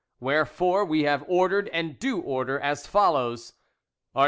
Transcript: "Wherefore We have ordered and do order as follows: "Art.